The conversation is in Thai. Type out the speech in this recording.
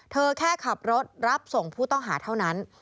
แค่ขับรถรับส่งผู้ต้องหาเท่านั้น